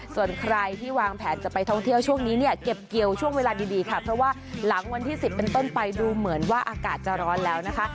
ส่วนใครที่วางแผนจะไปท่องเที่ยวช่วงนี้เนี่ยเก็บเกี่ยวช่วงเวลาดีค่ะเพราะว่าหลังวันที่๑๐เป็นต้นไปดูเหมือนว่าอากาศจะร้อนแล้วนะคะ